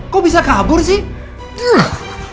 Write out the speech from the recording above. kok bisa kabur sih